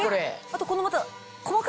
あとこのまた。